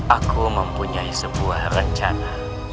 aku mempunyai sebuah rencana